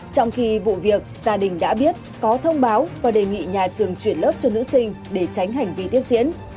trong khi vụ việc gia đình đã biết có thông báo và đề nghị nhà trường chuyển lớp cho nữ sinh để tránh hành vi tiếp diễn